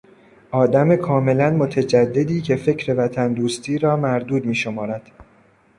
آدم کاملا متجددی که فکر وطن دوستی را مردود می شمارد.